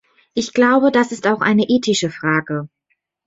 Ich glaube, das ist auch eine ethische Frage.